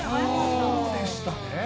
そうでしたね。